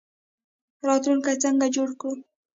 راتلونکی څنګه جوړ کړو؟